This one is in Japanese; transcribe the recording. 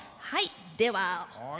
はいでは。